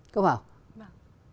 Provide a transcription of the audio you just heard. có phải không